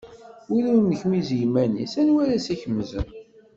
Win ur nekmiz i yiman-is, anwa ara as-ikemzen.